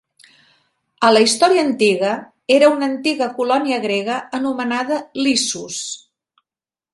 A la història antiga, era una antiga colònia grega anomenada Lissus.